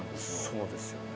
そうですよね。